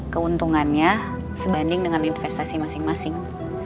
keuntungannya sebanding dengan investasi masing masing